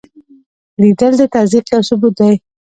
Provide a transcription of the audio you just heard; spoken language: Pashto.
لیدل د تصدیق یو ثبوت دی